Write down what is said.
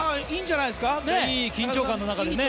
いいんじゃないですか。